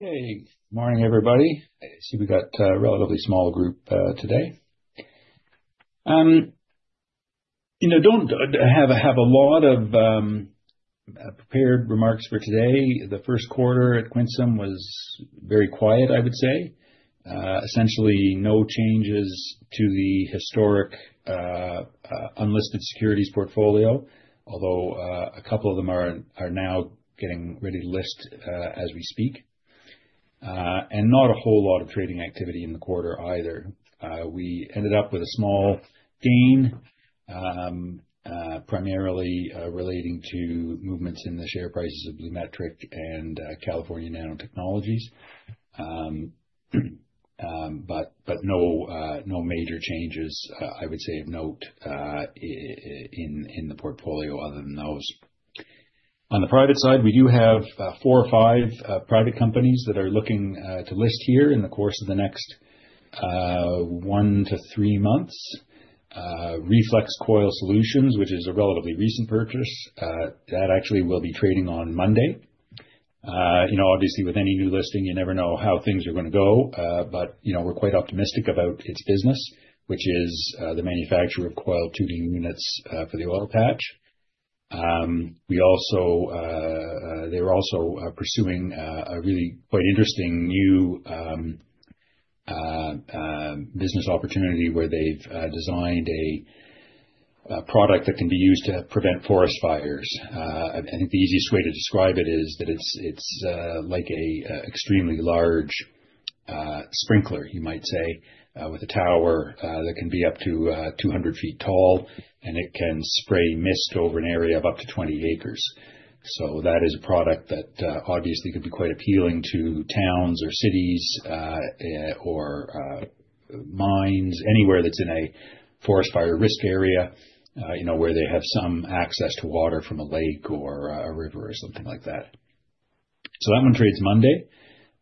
Hey, morning everybody. I see we got a relatively small group today. I don't have a lot of prepared remarks for today. The first quarter at Quinsam was very quiet, I would say. Essentially no changes to the historic unlisted securities portfolio, although a couple of them are now getting ready to list as we speak. Not a whole lot of trading activity in the quarter either. We ended up with a small gain, primarily relating to movements in the share prices of BluMetric and California Nanotechnologies. No major changes, I would say, of note in the portfolio other than those. On the private side, we do have four or five private companies that are looking to list here in the course of the next one to three months. Reflex Coil Solutions, which is a relatively recent purchase, that actually will be trading on Monday. Obviously, with any new listing, you never know how things are going to go. We're quite optimistic about its business, which is the manufacturer of coiled tubing units for the oil patch. They're also pursuing a really quite interesting new business opportunity where they've designed a product that can be used to prevent forest fires. I think the easiest way to describe it is that it's like a extremely large sprinkler, you might say, with a tower that can be up to 200 feet tall, and it can spray mist over an area of up to 20 acres. That is a product that obviously could be quite appealing to towns or cities, or mines, anywhere that's in a forest fire risk area where they have some access to water from a lake or a river or something like that. That one trades Monday.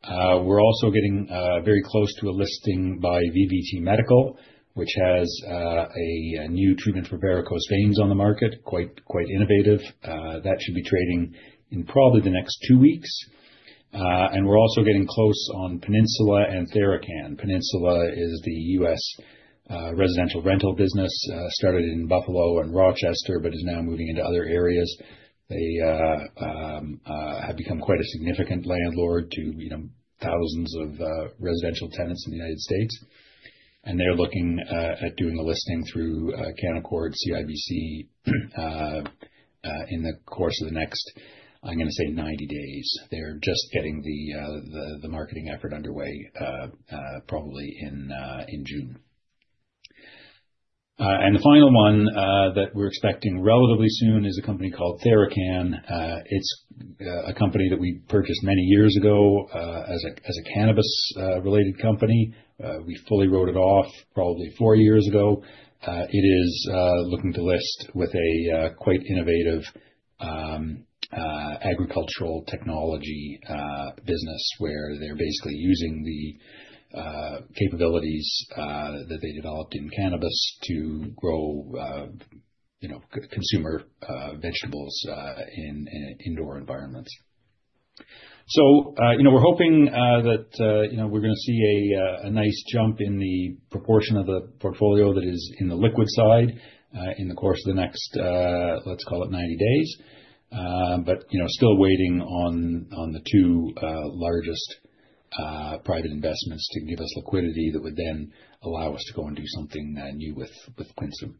We're also getting very close to a listing by VVT Medical, which has a new treatment for varicose veins on the market. Quite innovative. That should be trading in probably the next two weeks. We're also getting close on Peninsula and TheraCann. Peninsula is the U.S. residential rental business, started in Buffalo and Rochester, but is now moving into other areas. They have become quite a significant landlord to thousands of residential tenants in the U.S., and they're looking at doing a listing through Canaccord CIBC in the course of the next, I'm going to say 90 days. They're just getting the marketing effort underway probably in June. The final one that we're expecting relatively soon is a company called TheraCann. It's a company that we purchased many years ago, as a cannabis-related company. We fully wrote it off probably four years ago. It is looking to list with a quite innovative agricultural technology business where they're basically using the capabilities that they developed in cannabis to grow consumer vegetables in indoor environments. We're hoping that we're going to see a nice jump in the proportion of the portfolio that is in the liquid side, in the course of the next, let's call it 90 days. Still waiting on the two largest private investments to give us liquidity that would then allow us to go and do something new with Quinsam.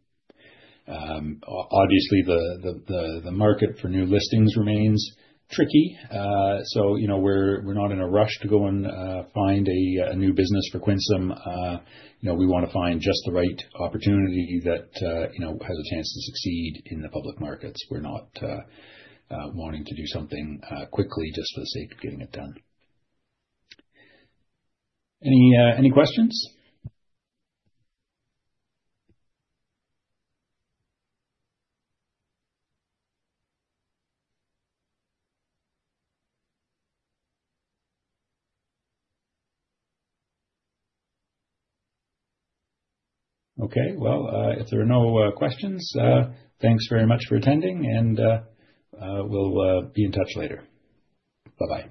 Obviously, the market for new listings remains tricky. We're not in a rush to go and find a new business for Quinsam. We want to find just the right opportunity that has a chance to succeed in the public markets. We're not wanting to do something quickly just for the sake of getting it done. Any questions? Okay, well, if there are no questions, thanks very much for attending and we'll be in touch later. Bye-bye.